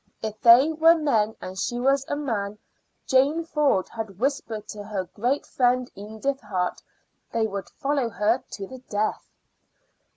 If they were men and she was a man, Janey Ford had whispered to her great friend Edith Hart, they would follow her to the death.